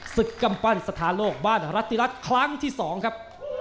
กำปั้นสถานโลกบ้านรัติรัฐครั้งที่๒ครับ